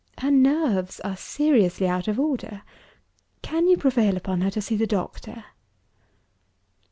Her nerves are seriously out of order. Can you prevail upon her to see the doctor?"